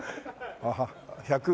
ああ１００